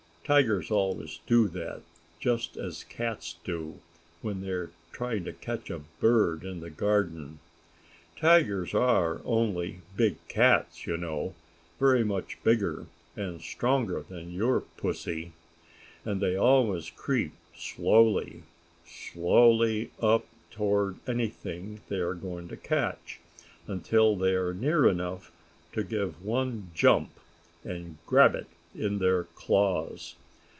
Tigers always do that, just as cats do when they are trying to catch a bird in the garden. Tigers are only big cats, you know, very much bigger and stronger than your pussy. And they always creep slowly, slowly up toward anything they are going to catch, until they are near enough to give one jump and grab it in their claws.